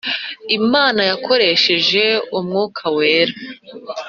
Imana yakoresheje umwuka wera